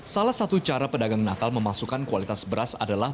salah satu cara pedagang nakal memasukkan kualitas beras adalah